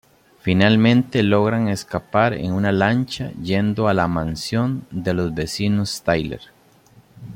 Finalmente logran escapar en una lancha yendo a la mansión de los vecinos Tyler.